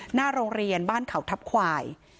หน้าโรงเรียนบ้านเขาทัพควาย